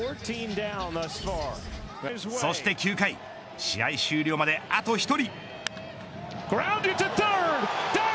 そして９回試合終了まであと１人。